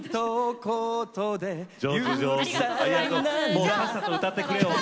もうさっさと歌ってくレオン。